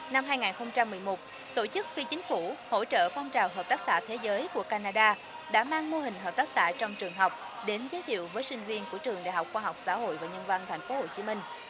năm hai nghìn một mươi một tổ chức phi chính phủ hỗ trợ phong trào hợp tác xã thế giới của canada đã mang mô hình hợp tác xã trong trường học đến giới thiệu với sinh viên của trường đại học khoa học xã hội và nhân văn tp hcm